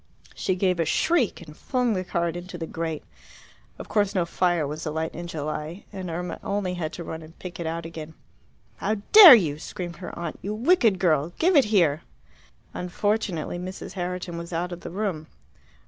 She gave a shriek and flung the card into the grate. Of course no fire was alight in July, and Irma only had to run and pick it out again. "How dare you!" screamed her aunt. "You wicked girl! Give it here!" Unfortunately Mrs. Herriton was out of the room.